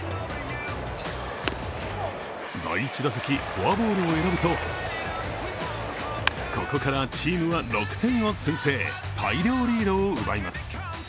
第１打席、フォアボールを選ぶとここからチーム６点を先制、大量リードを奪います。